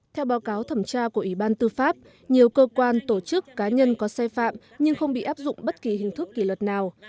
theo báo cáo thẩm tra của ủy ban tư pháp nhiều cơ quan tổ chức cá nhân có sai phạm nhưng không bị áp dụng bất kỳ hình thức kỷ luật nào